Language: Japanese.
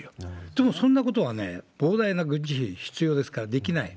でもそんなことは膨大な軍事費必要ですから、できない。